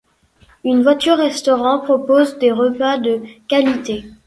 Une voiture-restaurant propose des repas de qualité.